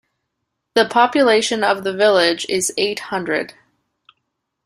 The population of the village is eight hundred.